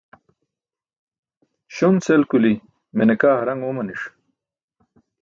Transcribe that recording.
Śon-sel kuli̇ mene kaa haraṅ oomani̇ṣ.